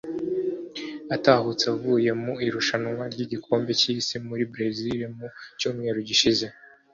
atahutse avuye mu irushanwa ry’igikombe cy’isi muri Brezil mu cyumweru gishize